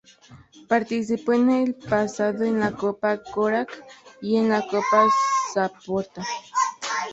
Participó en el pasado en la Copa Korać y en la Copa Saporta.